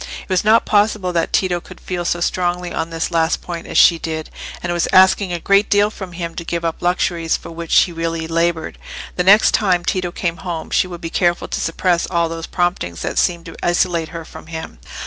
It was not possible that Tito could feel so strongly on this last point as she did, and it was asking a great deal from him to give up luxuries for which he really laboured. The next time Tito came home she would be careful to suppress all those promptings that seemed to isolate her from him.